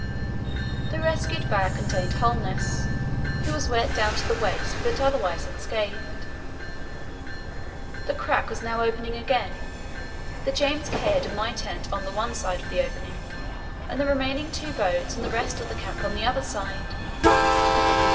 The rescued bag contained Holness, who was wet down to the waist but otherwise unscathed. The crack was now opening again. The James Caird and my tent were on one side of the opening and the remaining two boats and the rest of the camp on the other side.